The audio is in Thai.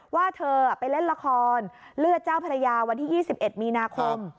ว่าเธอไปเล่นละครเลือดเจ้าพระยาวันที่๒๑มีนาคม